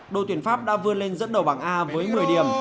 đội tuyển pháp đã vươn lên dẫn đầu bảng a với một mươi điểm